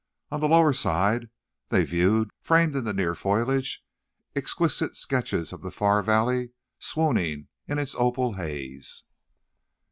On the lower side they viewed, framed in the near foliage, exquisite sketches of the far valley swooning in its opal haze.